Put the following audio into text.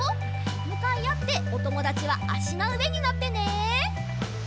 むかいあっておともだちはあしのうえにのってね。